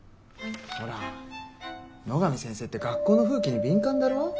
ほら野上先生って学校の風紀に敏感だろ。